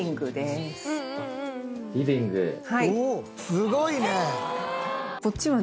すごいね！